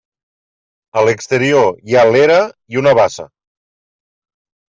A l'exterior hi ha l'era i una bassa.